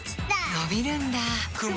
のびるんだ